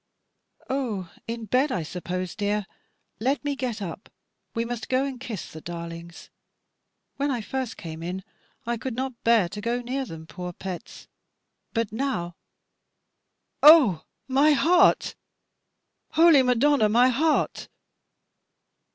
"Oh, in bed I suppose, dear: let me get up, we must go and kiss the darlings. When I first came in, I could not bear to go near them, poor pets; but now Oh my heart, holy Madonna, my heart!"